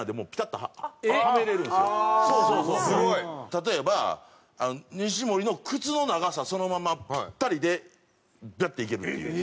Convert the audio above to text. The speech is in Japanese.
例えば西森の靴の長さそのままぴったりでビャッていけるっていう。